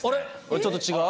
ちょっと違う？